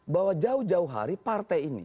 bahwa jauh jauh hari partai ini